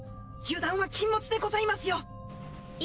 油断は禁物でございますよ。